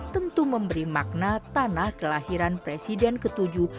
tentu memberi makna tanah kelahiran presiden ketujuh